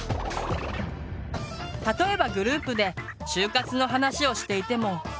例えばグループで就活の話をしていても。